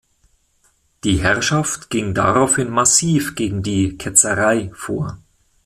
Die Herrschaft ging daraufhin massiv gegen die „Ketzerei“ vor.